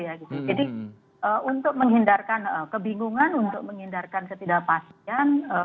jadi untuk menghindarkan kebingungan untuk menghindarkan ketidakpastian